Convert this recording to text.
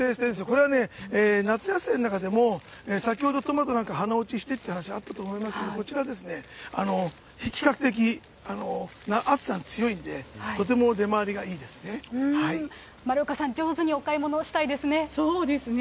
これはね、夏野菜の中でも先ほどトマトなんか花落ちしてって話あったと思いますけど、こちらですね、比較的、暑さに強いんで、とても出回りが丸岡さん、上手にお買い物しそうですね。